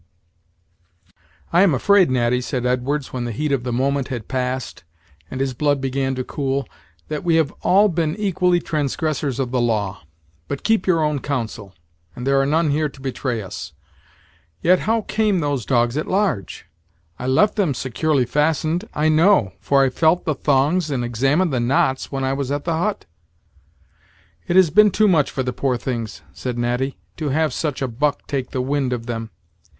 "I am afraid, Natty," said Edwards, when the heat of the moment had passed, and his blood began to cool, "that we have all been equally transgressors of the law. But keep your own counsel, and there are none here to betray us. Yet how came those dogs at large? I left them securely fastened, I know, for I felt the thongs and examined the knots when I was at the hunt." "It has been too much for the poor things," said Natty, "to have such a buck take the wind of them.